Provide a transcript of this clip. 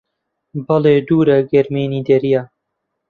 بەڵێ: دوورە گەرمێنی دەریا